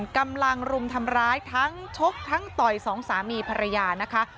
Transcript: กำลังรุมทำร้ายทั้งชกทั้งต่อยสองสามีภรรยานะคะ